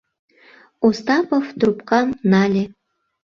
Остапов трубкам нале.